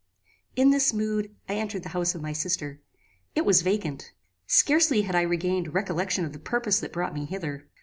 "In this mood, I entered the house of my sister. It was vacant. Scarcely had I regained recollection of the purpose that brought me hither.